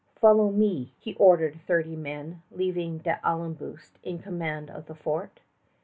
"Follow me," he ordered thirty men, leaving D'Ailleboust in command of the fort.